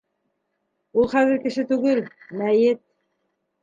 Ул хәҙер кеше түгел, мәйет.